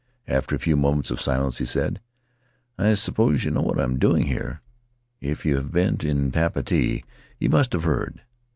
After a few moments of silence he said: "I suppose you know what I'm doing here? If you have been in Papeete you must have heard.